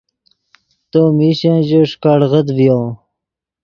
تو میشن ژے ݰیکڑغیت ڤیو